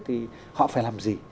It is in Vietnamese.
thì họ phải làm gì